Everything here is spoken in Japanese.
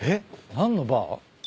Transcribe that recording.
何のバー？